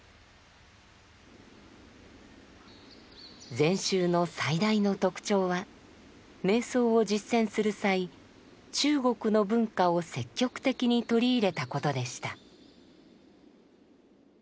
禅宗の最大の特徴は瞑想を実践する際中国の文化を積極的に取り入れたことでした。